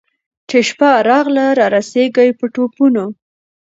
چي شپه راغله رارسېږي په ټوپونو